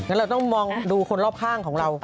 แล้วเราต้องมองดูคนรอบข้างของเรา